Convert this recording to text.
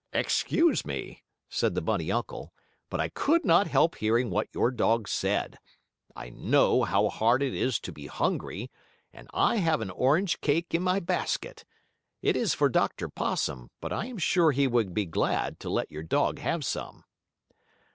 "Excuse me," said the bunny uncle, "but I could not help hearing what your dog said. I know how hard it is to be hungry, and I have an orange cake in my basket. It is for Dr. Possum, but I am sure he would be glad to let your dog have some."